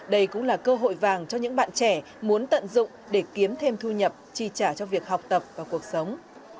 đây cũng là cơ hội vàng cho những bạn trẻ muốn tận dụng để kiếm thêm thu nhập chi trả cho việc học tập và cuộc sống